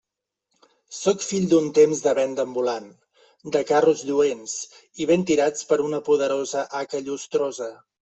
Sóc fill d'un temps de venda ambulant, de carros lluents i ben tirats per una poderosa haca llustrosa.